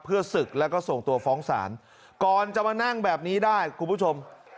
เพื่อศึกแล้วก็ส่งตัวฟ้องศาลก่อนจะมานั่งแบบนี้ได้คุณผู้ชม